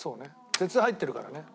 鉄入ってるからね。